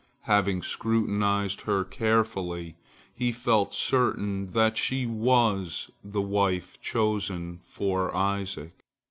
Having scrutinized her carefully, he felt certain that she was the wife chosen for Isaac.